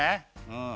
うん。